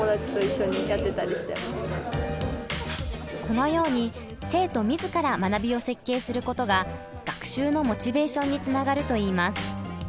このように生徒自ら学びを設計することが学習のモチベーションにつながるといいます。